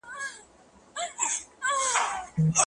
که پانګه زياته سي، ملي اقتصاد به چټک پرمختګ وکړي.